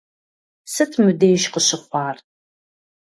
Сыт мыбдеж къыщыхъуар?